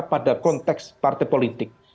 pada konteks partai politik